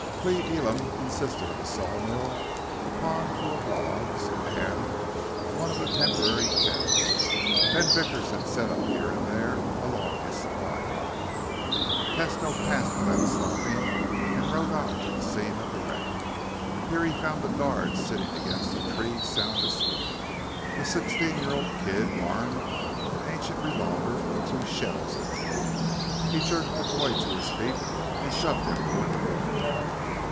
Cle Elum consisted of a sawmill, a pond full of logs, and one of the temporary camps Ben Vickers had set up here and there along his supply line. Tesno passed without stopping and rode on to the scene of the wreck. Here he found the guard sitting against a tree sound asleep a sixteen year old kid armed with an ancient revolver with two shells in it. He jerked the boy to his feet and shoved him toward the boiler.